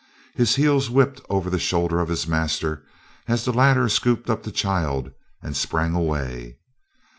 His heels whipped over the shoulder of his master as the latter scooped up the child and sprang away.